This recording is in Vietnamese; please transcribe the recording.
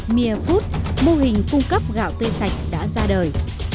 mya food mô hình cung cấp gạo tươi sạch đã ra đời